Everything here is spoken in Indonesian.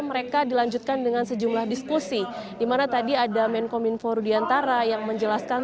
mereka dilanjutkan dengan sejumlah diskusi dimana tadi ada main coming for diantara yang menjelaskan